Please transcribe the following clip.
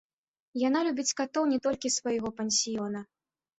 Яна любіць катоў не толькі свайго пансіёна.